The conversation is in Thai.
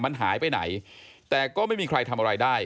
มันหายไปไหนแต่ก็ไม่มีใครทำอะไรได้